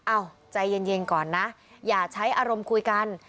อ้าวใจเย็นเย็นก่อนนะอย่าใช้อารมณ์คุยกัน